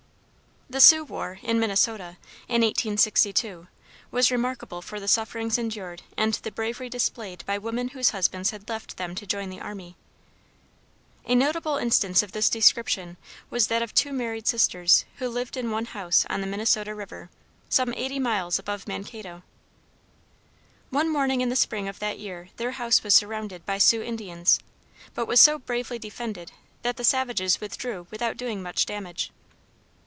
The Sioux war in Minnesota, in 1862, was remarkable for the sufferings endured and the bravery displayed by women whose husbands had left them to join the army. A notable instance of this description was that of two married sisters who lived in one house on the Minnesota River, some eighty miles above Mankato. One morning in the spring of that year their house was surrounded by Sioux Indians, but was so bravely defended that the savages withdrew without doing much damage.